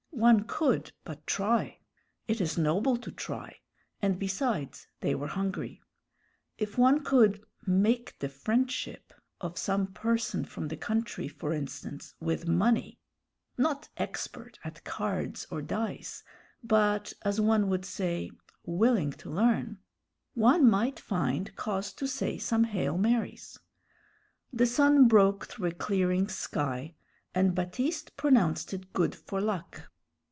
One could but try. It is noble to try; and besides, they were hungry. If one could "make the friendship" of some person from the country, for instance, with money, not expert at cards or dice, but as one would say, willing to learn, one might find cause to say some "Hail Marys." The sun broke through a clearing sky, and Baptiste pronounced it good for luck.